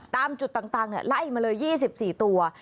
ตามจุดต่างไล่มาเลย๒๔ตัว